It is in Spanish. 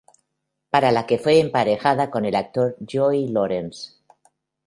Para la fue emparejada con el actor Joey Lawrence.